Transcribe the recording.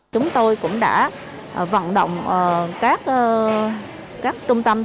chúng tôi cũng đã vận động các trung tâm